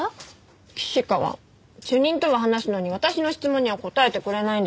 岸川主任とは話すのに私の質問には答えてくれないんです。